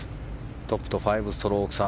トップと５ストローク差。